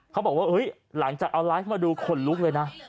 เขาบอกว่าหลังจากเอาไลฟ์มาดูขนลุกเลยนะ